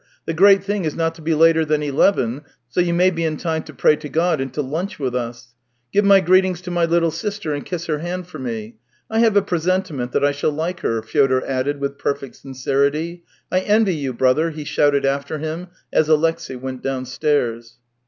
The great thing is not to be later than eleven, so you may be in time to pray to God and to lunch with us. Give my greetings to my little sister and kiss her hand for THREE YEARS 225 me. I have a presentiment that I shall like her," Fyodor added with perfect sincerity. " I envy you, brother !" he shouted after him as Alexey went downstairs.